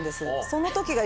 その時が。